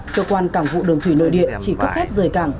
cơ quan cảng vụ đường thủy nội địa chỉ cấp phép rời cảng